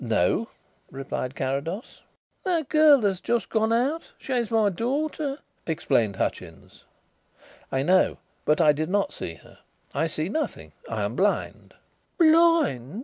"No," replied Carrados. "The girl that's just gone out she's my daughter," explained Hutchins. "I know, but I did not see her. I see nothing. I am blind." "Blind!"